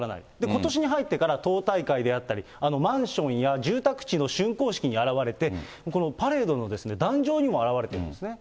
ことしに入ってから党大会であったり、マンションや住宅地のしゅんこう式に現れて、パレードの壇上にも現れているんです。